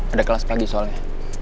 ada kelas pagi soalnya